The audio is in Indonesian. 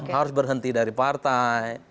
harus berhenti dari partai